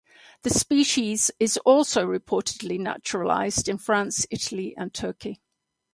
The species is also reportedly naturalized in France, Italy and Turkey.